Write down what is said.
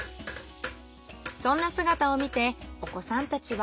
そんな姿を見てお子さんたちは。